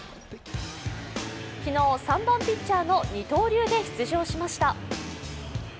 昨日、３番ピッチャーの二刀流で出場しました。